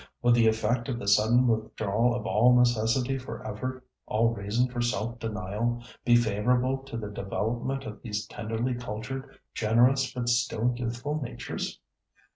"Would the effect of the sudden withdrawal of all necessity for effort, all reason for self denial, be favourable to the development of these tenderly cultured, generous but still youthful natures?